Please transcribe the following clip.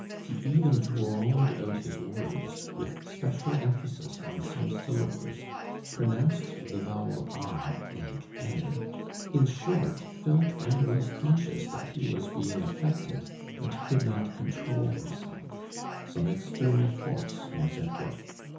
He even drawled out his words, with special emphasis on some syllables, pronounced the vowel ah like eh; in short, felt and was conscious that he was being affected but could not control himself: some external force was at work.